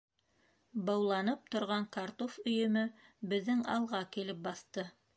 Быуланып торған картуф өйөмө беҙҙең алға килеп баҫты.